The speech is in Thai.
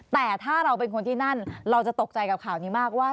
แต่ถ้าเราเป็นคนที่นั่นเราจะตกใจกับข่าวนี้มากว่า